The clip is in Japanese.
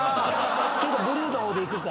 ちょっとブルーの方でいくか。